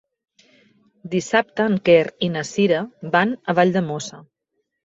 Dissabte en Quer i na Sira van a Valldemossa.